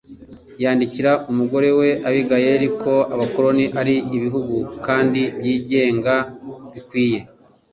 yandikira umugore we Abigayili ko abakoloni ari ibihugu kandi byigenga bikwiye